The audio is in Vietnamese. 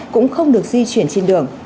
cũng không được di chuyển trên đường